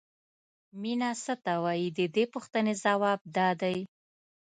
مینه څه ته وایي د دې پوښتنې ځواب دا دی.